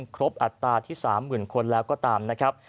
ครบอัตราที่๓๐๐๐คนแล้วก็ตามนะครับ